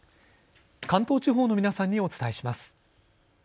関東地方の皆さんにお伝えします。